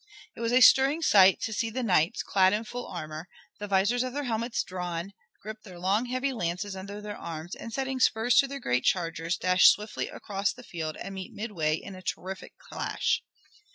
It was a stirring sight to see the knights, clad in full armor, the visors of their helmets drawn, grip their long heavy lances under their arms, and setting spurs to their great chargers, dash swiftly across the field and meet midway in a terrific clash.